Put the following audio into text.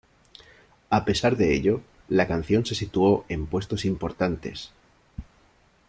A pesar de ello, la canción se situó en puestos importantes.